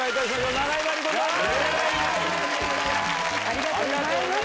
ありがとうございます。